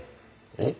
えっ？